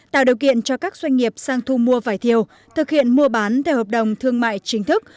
tạo điều kiện cho các doanh nghiệp sang thu mua vải thiều thực hiện mua bán theo hợp đồng thương mại chính thức